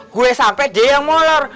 gue sampai dia yang molor